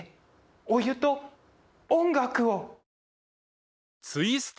お湯と音楽を。